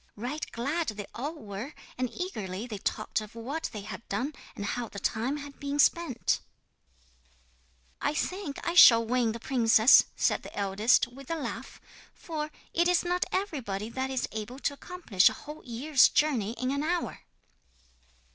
Right glad they all were, and eagerly they talked of what they had done, and how the time had been spent. '"I think I shall win the princess," said the eldest, with a laugh, "for it is not everybody that is able to accomplish a whole year's journey in an hour!"